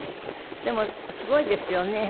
でもすごいですよね。